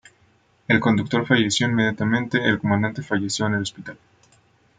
El conductor falleció inmediatamente; el comandante falleció en hospital.